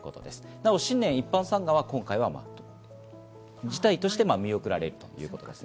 なお新年一般参賀は今回は辞退として見送られるということです。